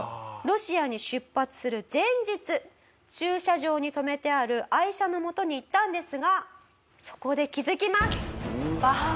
ロシアに出発する前日駐車場に止めてある愛車のもとに行ったんですがそこで気付きます。